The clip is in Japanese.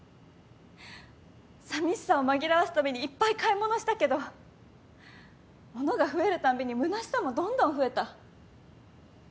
さみしさを紛らわすためにいっぱい買い物したけど物が増えるたんびにむなしさもどんどん増えた。